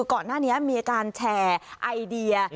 ก่อนหน้านี้มีการแชร์ไอเดีย